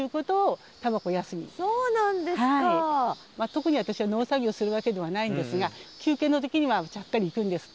特に私は農作業するわけではないんですが休憩の時にはちゃっかり行くんです。